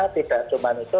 tidak cuma itu